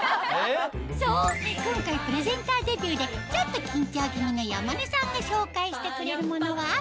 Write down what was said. そう今回プレゼンターデビューでちょっと緊張気味の山根さんが紹介してくれるものは？